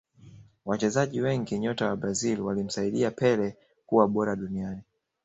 Wachezaji wengi nyota wa Brazil walimsaidia pele kuwa bora duniani